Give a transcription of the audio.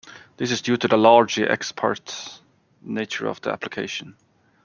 This is due to the largely "ex parte" nature of the application.